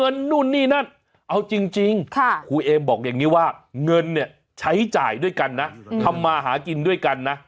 นู่นนี่นั่นเอาจริงครูเอ็มบอกอย่างนี้ว่าเงินเนี่ยใช้จ่ายด้วยกันนะทำมาหากินด้วยกันนะ